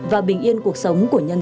và bình yên cuộc sống của nhân dân